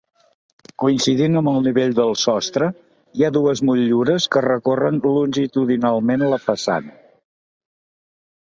Coincidint amb el nivell del sostre, hi ha dues motllures que recorren longitudinalment la façana.